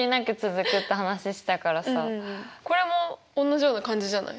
これもおんなじような感じじゃない？